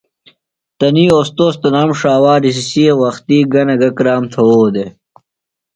تنی اوستوذ تنام ݜاوا رِسسی وختی گہ نہ گہ کرام تھوؤ دےۡ۔